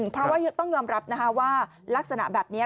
เพราะว่าต้องยอมรับนะคะว่าลักษณะแบบนี้